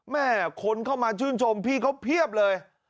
แม่คนเข้ามาชื่นชมพี่เขาเพียบเลย